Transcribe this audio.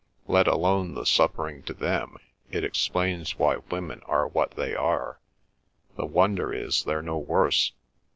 Let alone the suffering to them, it explains why women are what they are—the wonder is they're no worse.